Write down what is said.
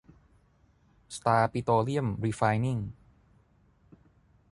สตาร์ ปิโตรเลียม รีไฟน์นิ่ง